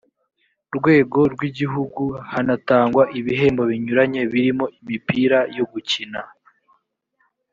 rwego rw igihugu hanatangwa ibihembo binyuranye birimo imipira yo gukina